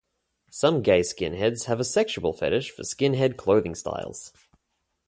Some gay skinheads have a sexual fetish for skinhead clothing styles.